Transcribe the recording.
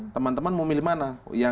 teman teman mau milih mana